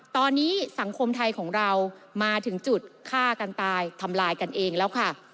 ตอนนี้สังคมไทยของเรามาถึงจุดฆ่ากันตายทำลายกันเองแล้วค่ะ